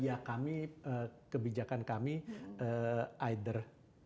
ya kami kebijakan kami either lima puluh lima puluh